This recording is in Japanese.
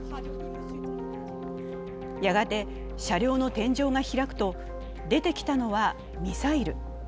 やがて、車両の天井が開くと、出てきたのはミサイル。